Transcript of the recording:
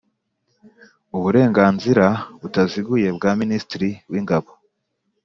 uburenganzira butaziguye bwa Minisitiri w Ingabo